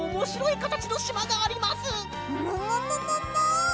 ももももも！